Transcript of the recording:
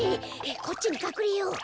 こっちにかくれよう！